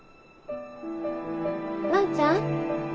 万ちゃん？